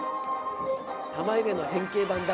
玉入れの変形版だ！